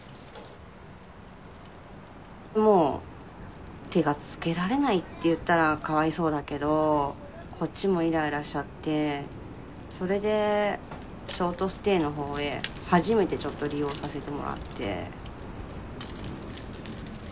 もう手がつけられないって言ったらかわいそうだけどこっちもイライラしちゃってそれでショートステイの方へ初めてちょっと利用させてもらって。